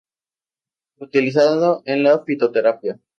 Utilizado en la fitoterapia.